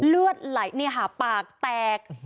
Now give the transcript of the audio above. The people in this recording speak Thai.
เลือดไหลปากแตก